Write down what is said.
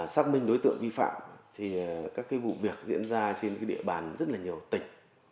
xác minh đối tượng vi phạm thì các cái vụ việc diễn ra trên địa bàn rất là nhiều tỉnh